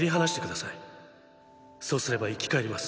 そうすれば生き返ります。